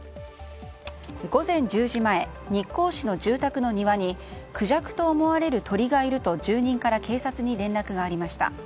午前１０時前日光市の住宅の庭にクジャクと思われる鳥がいると住人から警察に連絡がありました。